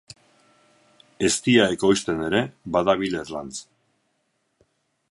Eztia ekoizten ere badabil Erlanz.